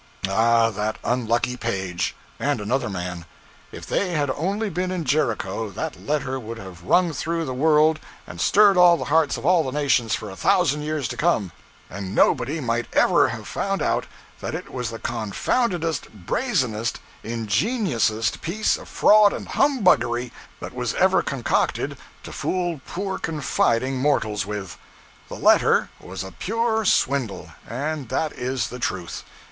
Ah, that unlucky Page! and another man. If they had only been in Jericho, that letter would have rung through the world and stirred all the hearts of all the nations for a thousand years to come, and nobody might ever have found out that it was the confoundedest, brazenest, ingeniousest piece of fraud and humbuggery that was ever concocted to fool poor confiding mortals with! The letter was a pure swindle, and that is the truth.